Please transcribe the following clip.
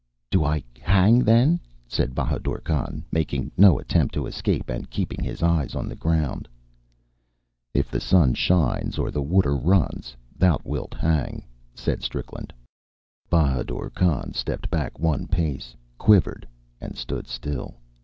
"Do I hang, then?" said Bahadur Khan, making no attempt to escape and keeping his eyes on the ground. "If the sun shines, or the water runs, thou wilt hang," said Strickland. Bahadur Khan stepped back one pace, quivered, and stood still.